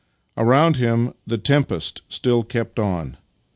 Around him the tempest still kept on.